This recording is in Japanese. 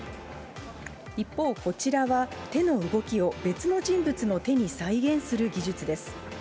一方、こちらは手の動きを別の人物の手に再現する技術です。